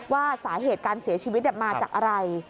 ว่าสาเหตุการเสียชีวิตมาจากอะไร